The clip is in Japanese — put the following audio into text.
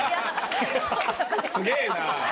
すげぇな。